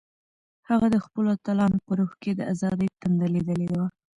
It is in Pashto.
هغه د خپلو اتلانو په روح کې د ازادۍ تنده لیدلې وه.